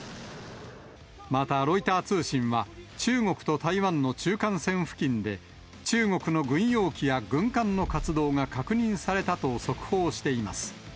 また、ロイター通信は、中国と台湾の中間線付近で、中国の軍用機や軍艦の活動が確認されたと速報しています。